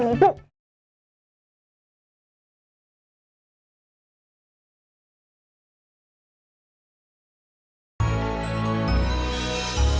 udah uteh hati hati